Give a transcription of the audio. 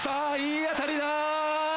いい当たりだ！